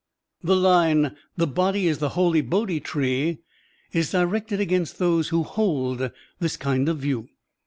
The line, "The body is the holy Bodhi tree,", is directed against those who hold this kind of view.